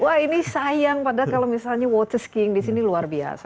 wah ini sayang padahal kalau misalnya water skiing disini luar biasa